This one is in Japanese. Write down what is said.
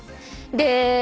で